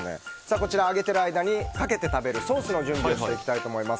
こちら揚げている間にかけて食べるソースの準備をしていきたいと思います。